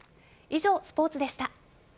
以上、スポーツでした。